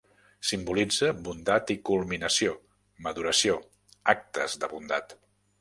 Simbolitza bondat i culminació, maduració, actes de bondat.